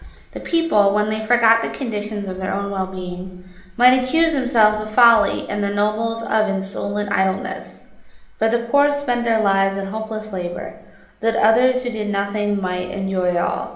The people, when they forgot the conditions of their own well being, might accuse themselves of folly and the nobles of insolent idleness, for the poor spent their lives in hopeless labour that others who did nothing might enjoy all.